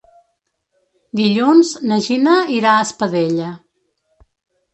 Dilluns na Gina irà a Espadella.